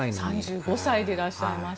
３５歳でいらっしゃいます。